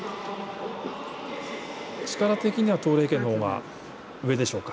力的には、とう麗娟のほうが上でしょうか。